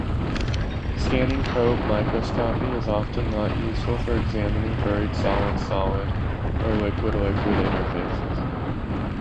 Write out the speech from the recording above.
Scanning probe microscopy is often not useful for examining buried solid-solid or liquid-liquid interfaces.